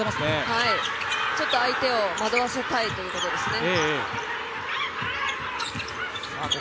ちょっと相手を惑わせたいということですね。